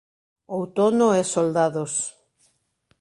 Outono e soldados.